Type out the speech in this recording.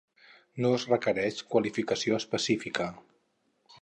No es requereix qualificació específica.